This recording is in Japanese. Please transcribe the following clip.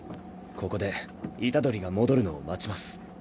ここで虎杖が戻るのを待ちます。